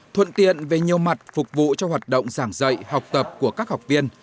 thuận tiện về nhiều mặt phục vụ cho hoạt động giảng dạy học tập của các học viên